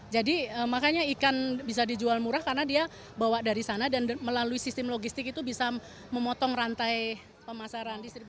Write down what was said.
jadi makanya ikan bisa dijual murah karena dia bawa dari sana dan melalui sistem logistik itu bisa memotong rantai pemasaran